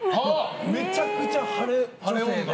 めちゃくちゃ晴れ女性で。